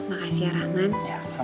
makasih ya raman